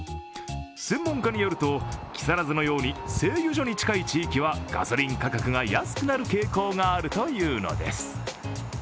専門家によると、木更津のように製油所に近い地域はガソリン価格が安くなる傾向があるというのです。